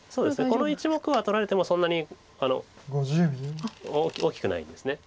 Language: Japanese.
この１目は取られてもそんなに大きくないんです。